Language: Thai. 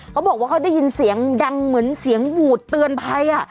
เขาบอกว่าเขาได้ยินเสียงดังเหมือนเสียงหวูดเตือนภัย